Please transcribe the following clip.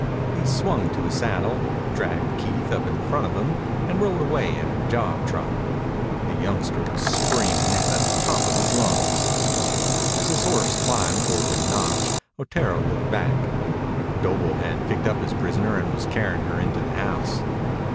He swung to the saddle, dragged Keith up in front of him, and rode away at a jog trot. The youngster was screaming at the top of his lungs. As his horse climbed toward the notch, Otero looked back. Doble had picked up his prisoner and was carrying her into the house.